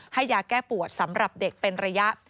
ให้ยาแก้ปวดสำหรับเด็กเป็นระยะ